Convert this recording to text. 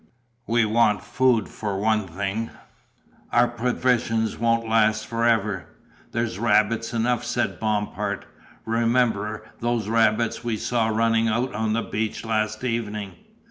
"We want food for one thing, our provisions won't last forever." "There's rabbits enough," said Bompard. "Remember those rabbits we saw running out on the beach last evening?"